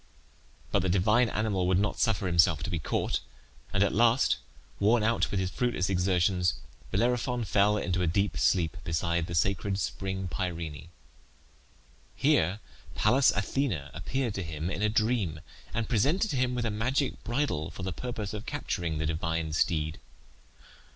But the divine animal would not suffer himself to be caught, and at last, worn out with his fruitless exertions, Bellerophon fell into a deep sleep beside the sacred spring Pirene. Here Pallas Athene appeared to him in a dream, and presented him with a magic bridle for the purpose of capturing the divine steed.